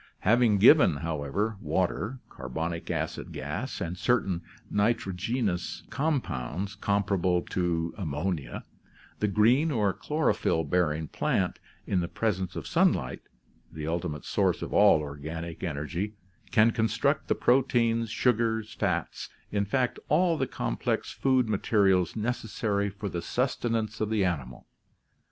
Having given, however, water, carbonic acid gas, and certain nitrogenous compounds comparable to ammo nia, the green or chlorophyl bearing plant in the presence of sun light— the ultimate source of all organic energy — can construct the THE ORGANIC KINGDOM 27 proteins, sugars, fats, in fact, all the complex food materials nec essary for the sustenance of the animal.